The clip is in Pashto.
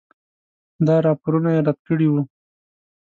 دا راپورونه یې رد کړي وو.